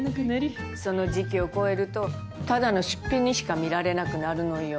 その時期を越えるとただの出費にしか見られなくなるのよ。